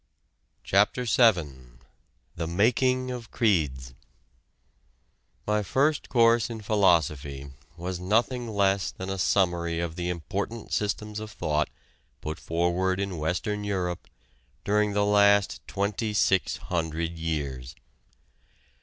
CHAPTER VII THE MAKING OF CREEDS My first course in philosophy was nothing less than a summary of the important systems of thought put forward in Western Europe during the last twenty six hundred years.